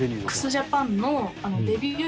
ＸＪＡＰＡＮのデビュー